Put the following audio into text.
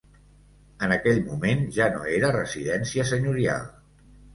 En aquell moment ja no era residència senyorial.